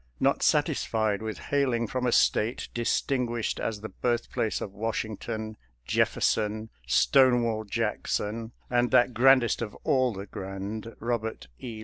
Not satisfied with hailing from a State distinguished as the birthplace of Wash ington, Jefferson, Stonewall Jackson, and that grandest of all the grand, Robert E.